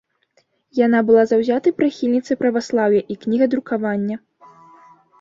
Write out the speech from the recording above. Яна была заўзятай прыхільніцай праваслаўя і кнігадрукавання.